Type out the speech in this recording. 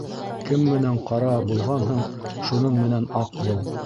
Кем менән ҡара булғанһың, шуның менән аҡ бул.